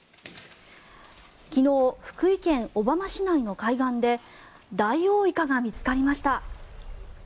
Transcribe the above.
昨日、福井県小浜市内の海岸でダイオウイカが見つかりました。